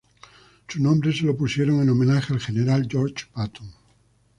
Su nombre se lo pusieron en homenaje al general George Patton.